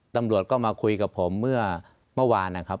ตำรวจก็มาคุยกับผมเมื่อวานนะครับ